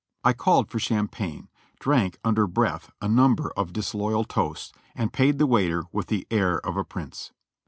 1 called for champagne, drank under breath a number of disloyal toasts, and paid the waiter with the air of a prince.